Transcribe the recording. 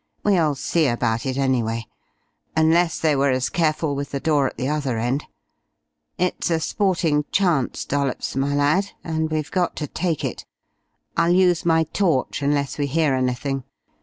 "We'll see about it anyway. Unless they were as careful with the door at the other end. It's a sporting chance, Dollops my lad, and we've got to take it. I'll use my torch unless we hear anything.